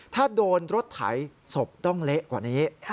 ถ้าโดนรถไถศพต้องเละกว่านี้